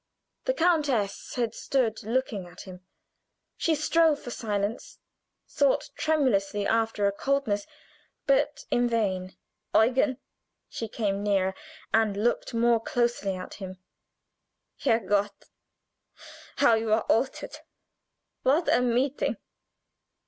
The countess had stood looking at him. She strove for silence; sought tremulously after coldness, but in vain. "Eugen " She came nearer, and looked more closely at him. "Herrgott! how you are altered! What a meeting!